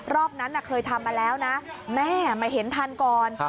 รอบนั้นเคยทำมาแล้วนะแม่มาเห็นทันก่อน